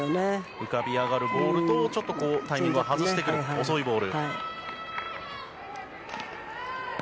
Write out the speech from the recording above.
浮かび上がるボールとちょっとタイミングを外してくる遅いボール。